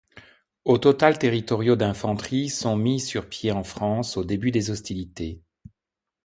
Au total territoriaux d’infanterie sont mis sur pied en France au début des hostilités.